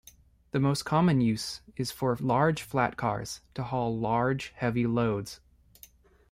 The most common use is for large flatcars to haul large, heavy loads.